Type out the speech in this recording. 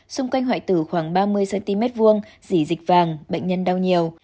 xung quanh hoại tử khoảng ba mươi cm hai dỉ dịch vàng bệnh nhân đau nhiều